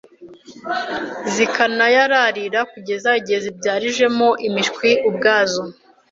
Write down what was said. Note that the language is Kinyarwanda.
zikanayararira kugeza igihe zibyarijemo imishwi ubwazo